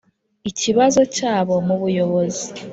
ikibazo cyabo mu buyobozi